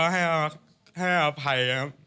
ไม่ครับลุงขอให้อภัยครับ